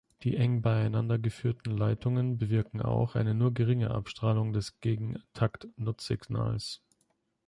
Die eng beieinander geführten Leitungen bewirken auch eine nur geringe Abstrahlung des Gegentakt-Nutzsignals.